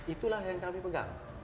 itulah yang kami pegang